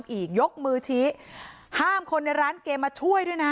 แต่คนที่เบิ้ลเครื่องรถจักรยานยนต์แล้วเค้าก็ลากคนนั้นมาทำร้ายร่างกาย